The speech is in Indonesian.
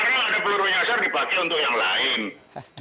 akhirnya ada peluru nyasar dipakai untuk yang lain